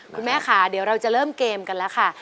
คุณแม่ค่ะเดี๋ยวเราจะเริ่มเกมกันแล้วค่ะ